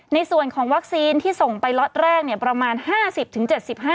ในส่วนของวัคซีนที่ส่งไปล็อตแรกประมาณ๕๐๗๕